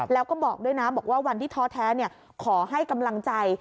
แล้วก็บอกด้วยนะบอกว่าวันที่ท้อแท้ขอให้กำลังใจ